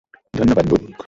ধন্যবাদ, ব্যুক।